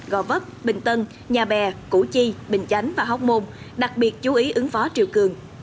gò vấp bình tân nhà bè củ chi bình chánh và hóc môn đặc biệt chú ý ứng phó chiều cường